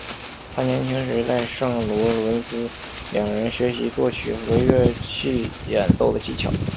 他年轻时在圣罗伦兹两人学习作曲和乐器演奏的技巧。